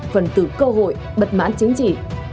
phần tử cơ hội bật mãn chính trị